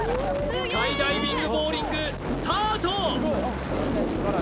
スカイダイビングボウリングスタート！